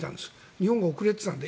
日本が遅れていたので。